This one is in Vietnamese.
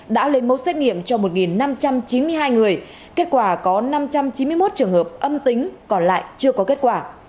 đã lấy mẫu xét nghiệm cho một năm trăm chín mươi hai người kết quả có năm trăm chín mươi một trường hợp âm tính còn lại chưa có kết quả